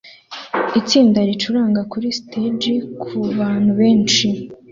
itsinda ricuranga kuri stage kubantu benshi